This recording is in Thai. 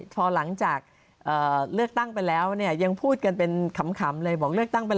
พอหลังจากเลือกตั้งไปแล้วเนี่ยยังพูดกันเป็นขำเลย